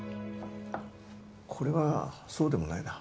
これはそうでもないな。